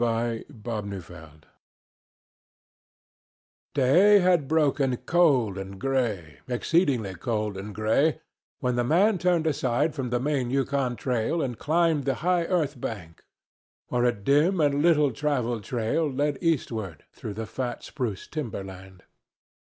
TO BUILD A FIRE Day had broken cold and grey, exceedingly cold and grey, when the man turned aside from the main Yukon trail and climbed the high earth bank, where a dim and little travelled trail led eastward through the fat spruce timberland.